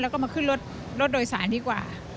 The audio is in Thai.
แล้วก็มาขึ้นรถรถโดยสารดีกว่า